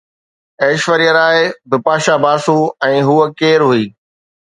ايشوريا راءِ بپاشا باسو ۽ هوءَ ڪير هئي؟